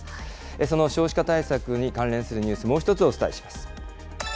その少子化対策に関連するニュース、もう１つお伝えします。